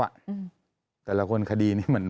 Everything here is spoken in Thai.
แต่ได้ยินจากคนอื่นแต่ได้ยินจากคนอื่น